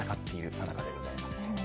さなかでございます。